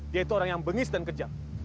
dia itu orang yang bengis dan kejam